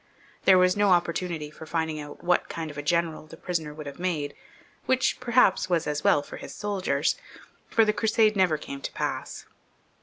There was no opportunity for finding ont what kind of a general the prisoner would have made (which perhaps was as well for his soldiers), for the Crusade never came to pass.